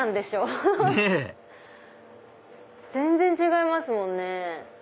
ねぇ全然違いますもんね。